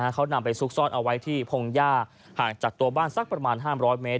เขานำไปซุกซ่อนเอาไว้ที่พงหญ้าห่างจากตัวบ้านสักประมาณ๕๐๐เมตร